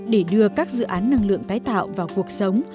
để đưa các dự án năng lượng tái tạo vào cuộc sống